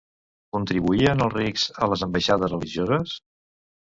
Contribuïen els rics a les ambaixades religioses?